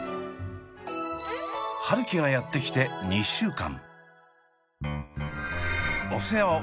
春輝がやって来て２週間。